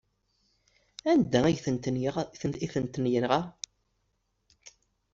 Anda ay tent-yenɣa?